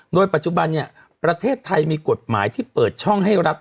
โดยปัจจุบันเนี่ยประเทศไทยมีกฎหมายที่เปิดช่องให้รัฐ